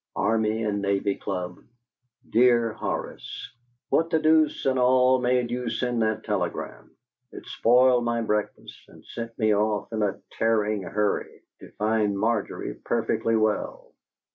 "ARMY AND NAVY CLUB. "DEAR HORACE, "What the deuce and all made you send that telegram? It spoiled my breakfast, and sent me off in a tearing hurry, to find Margery perfectly well.